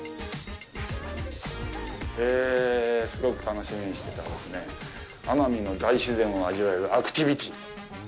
すごく楽しみにしてたですね、奄美の大自然を味わえるアクティビティ。